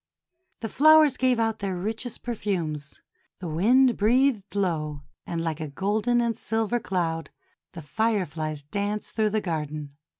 The flowers gave out their richest perfumes, the wind breathed low, and like a gold and silver cloud the Fireflies danced through the garden.